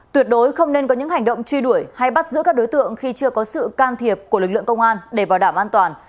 tuyệt đối không nên có những hành động truy đuổi hay bắt giữ các đối tượng khi chưa có sự can thiệp của lực lượng công an để bảo đảm an toàn